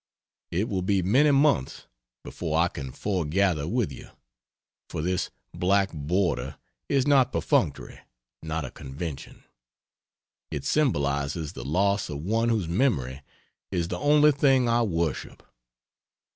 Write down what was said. It will be many months before I can foregather with you, for this black border is not perfunctory, not a convention; it symbolizes the loss of one whose memory is the only thing I worship.